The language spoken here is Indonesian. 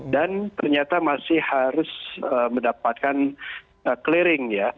dan ternyata masih harus mendapatkan clearing ya